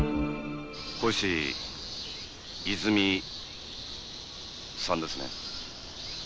星泉さんですね？